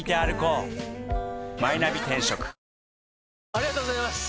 ありがとうございます！